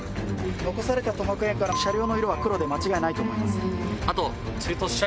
残された塗膜片から車両の色は黒で間違いないと思います。